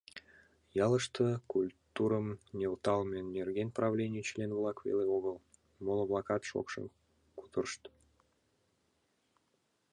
Ялыште культурым нӧлталме нерген правлений член-влак веле огыл, моло-влакат шокшын кутырышт.